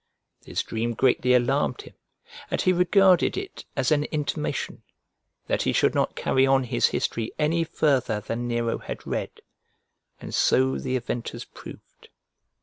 This dream greatly alarmed him, and he regarded it as an intimation, that he should not carry on his history any farther than Nero had read, and so the event has proved.